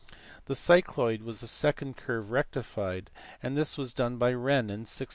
The cycloid was the second curve rectified ; this was done by Wren in 1658.